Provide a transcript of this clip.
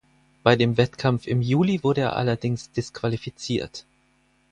Bei dem Wettkampf im Juli wurde er allerdings disqualifiziert.